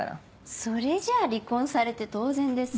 それじゃあ離婚されて当然ですよ。